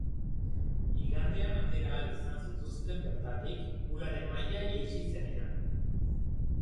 Igandean atera ahal izan zituzten bertatik, uraren maila jaitsi zenean.